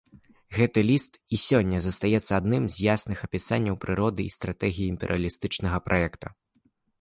Гэты ліст і сёння застаецца адным з ясных апісанняў прыроды і стратэгіі імперыялістычнага праекта.